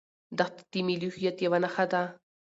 دښتې د ملي هویت یوه نښه ده.